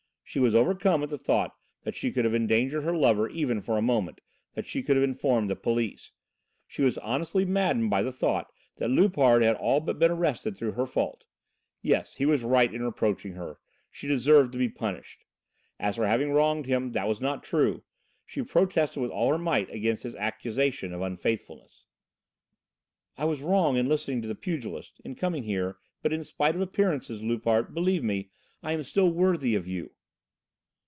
She was overcome at the thought that she could have endangered her lover even for a moment, that she could have informed the police. She was honestly maddened by the thought that Loupart had all but been arrested through her fault. Yes, he was right in reproaching her, she deserved to be punished. As for having wronged him, that was not true. She protested with all her might against his accusation of unfaithfulness. "I was wrong in listening to the pugilist, in coming here, but in spite of appearances Loupart, believe me, I am still worthy of you."